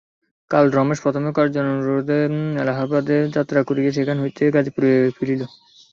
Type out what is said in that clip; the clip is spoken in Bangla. কাল রমেশ প্রথমে কার্যানুরোধে এলাহাবাদে যাত্রা করিয়া সেখান হইতে গাজিপুরে ফিরিবে।